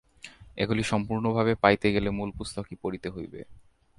এগুলি সম্পূর্ণভাবে পাইতে গেলে মূল পুস্তকই পড়িতে হইবে।